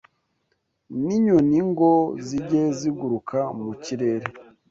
n’inyoni ngo zijye ziguruka mu kirere